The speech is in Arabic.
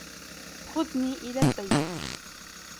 خذني إلى البيت.